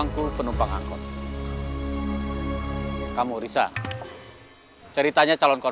nih siapa saja yang bisa disamke